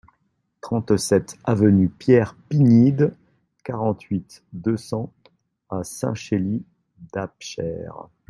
trente-sept avenue Pierre Pignide, quarante-huit, deux cents à Saint-Chély-d'Apcher